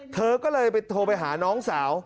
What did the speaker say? เธอก็เลยโทรไปหาน้องสาว